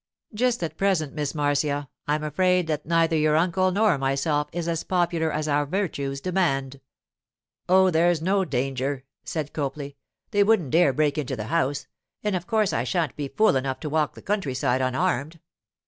'Just at present, Miss Marcia, I'm afraid that neither your uncle nor myself is as popular as our virtues demand.' 'Oh, there's no danger,' said Copley. 'They wouldn't dare break into the house, and of course I sha'n't be fool enough to walk the country side unarmed.